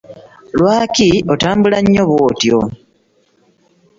Lwaki otambula nnyo bwotyo?